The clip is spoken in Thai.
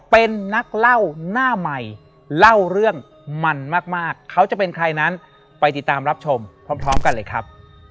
เป็นนักเล่าหน้าใหม่เล่าเรื่องมันมากเขาจะเป็นใครนั้นไปติดตามรับชมพร้อมกันเลยครับ